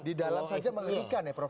di dalam saja mengerikan ya prof